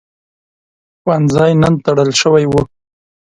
ښوونځی نن تړل شوی و.